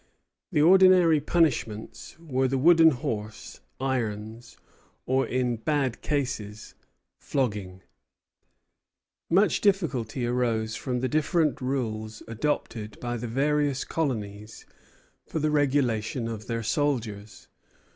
The ordinary punishments were the wooden horse, irons, or, in bad cases, flogging. Vote of General Court, 26 Feb. 1756. Much difficulty arose from the different rules adopted by the various colonies for the regulation of their soldiers.